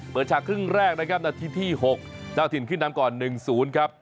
ฉากครึ่งแรกนะครับนาทีที่๖เจ้าถิ่นขึ้นนำก่อน๑๐ครับ